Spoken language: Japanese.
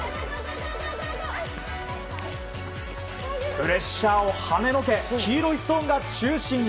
プレッシャーをはねのけ黄色いストーンが中心に！